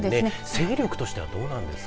勢力としてはどうなんですか。